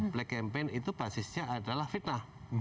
black campaign itu basisnya adalah fitnah